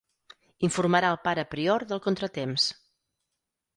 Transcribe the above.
Informarà el pare prior del contratemps.